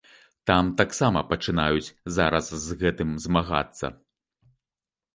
Там таксама пачынаюць зараз з гэтым змагацца.